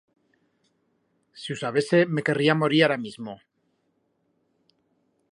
Si hu sabese, me querría morir ara mismo.